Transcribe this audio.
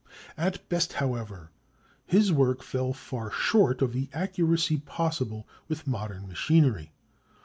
At best, however, his work fell far short of the accuracy possible with modern machinery.